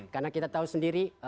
karena kita tahu sendiri